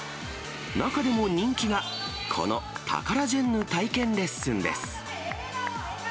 中でも人気が、このタカラジェンヌ体験レッスンです。